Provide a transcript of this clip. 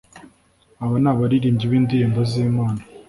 aba nabaririmbyi b'indirimbo z'Imana